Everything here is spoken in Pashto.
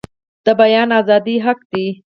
د بیان ازادي حق دی